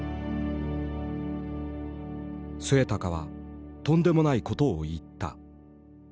末高はとんでもないことを言った。